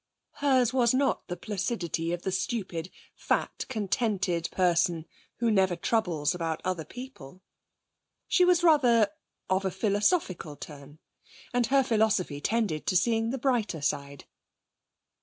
Hers was not the placidity of the stupid, fat, contented person who never troubles about other people. She was rather of a philosophical turn, and her philosophy tended to seeing the brighter side.